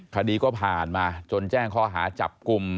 คดีก็ผ่านมาจนแจ้งข้อหาจับกลุ่ม